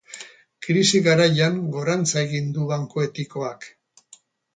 Krisi garaian gorantza egin du banku etikoak.